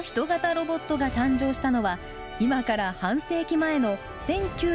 ロボットが誕生したのは今から半世紀前の１９７３年。